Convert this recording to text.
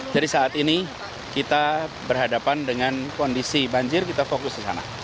jadi saat ini kita berhadapan dengan kondisi banjir kita fokus ke sana